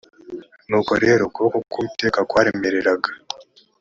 nuko rero ukuboko k uwiteka kwaremereraga